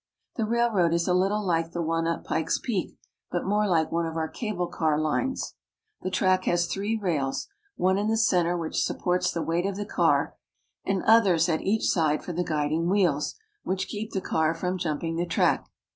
The railroad is a little like the one up Pikes Peak, but more like one of our cable car lines. The track has three rails, one in the center which supports the weight of the car, and others at each side for the guiding wheels, which keep the car from jumping the track.